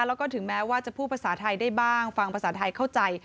แล้วก็ถึงแม้ว่าจะพูดภาษาไทยได้บ้างฟังภาษาไทยเข้าใจ